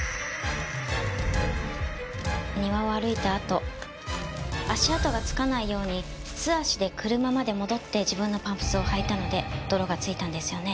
庭を歩いたあと足跡がつかないように素足で車まで戻って自分のパンプスを履いたので泥が付いたんですよね。